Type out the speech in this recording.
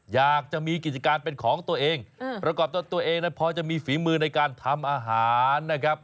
อยากจะมีกิจการเป็นของตัวเองประกอบตัวเองพอจะมีฝีมือในการทำอาหารนะครับ